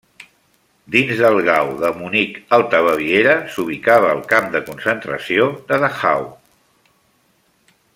Dins del Gau de Munic-Alta Baviera s'ubicava el camp de concentració de Dachau.